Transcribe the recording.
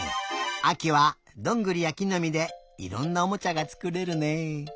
あきはどんぐりやきのみでいろんなおもちゃがつくれるね。